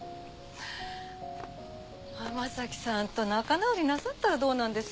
浜崎さんと仲直りなさったらどうなんです？